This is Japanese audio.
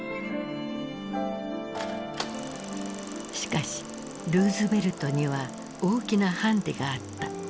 しかしルーズベルトには大きなハンデがあった。